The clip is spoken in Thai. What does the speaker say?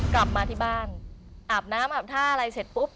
กลับมาที่บ้านอาบน้ำอาบท่าอะไรเสร็จปุ๊บ